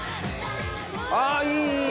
あいいいい。